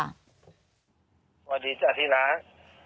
สวัสดีจ้ะที่รัก